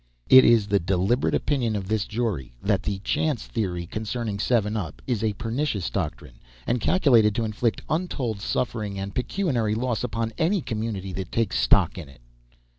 It is the deliberate opinion of this jury, that the "chance" theory concerning seven up is a pernicious doctrine, and calculated to inflict untold suffering and pecuniary loss upon any community that takes stock in it.